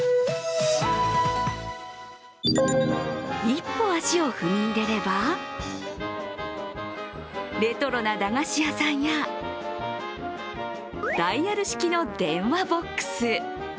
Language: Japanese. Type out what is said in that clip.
一歩足を踏み入れればレトロな駄菓子屋さんやダイヤル式の電話ボックス。